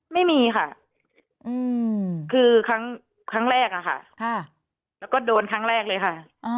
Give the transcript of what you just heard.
ไม่มีค่ะคือครั้งแรกอะค่ะแล้วก็โดนครั้งแรกเลยค่ะ